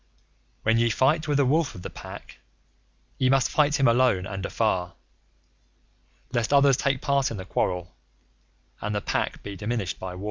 When ye fight with a Wolf of the Pack, ye must fight him alone and afar, Lest others take part in the quarrel, and the Pack be diminished by war.